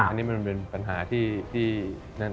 อันนี้มันเป็นปัญหาที่นั่น